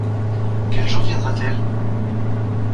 Quel jour viendra-t-elle ?